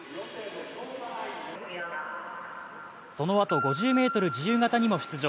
そのあと、５０ｍ自由形にも出場。